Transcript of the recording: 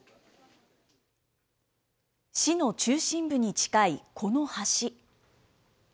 市の中心部に近いこの橋。